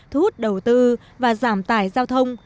thu hút đầu tư và giảm tải giao thông